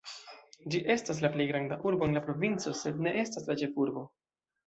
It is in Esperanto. Ĝi estas la plej granda urbo en la provinco sed ne estas la ĉefurbo.